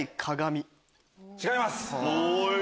違います。